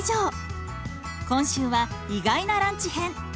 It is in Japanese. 今週は意外なランチ編。